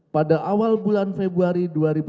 pada awal bulan februari dua ribu sepuluh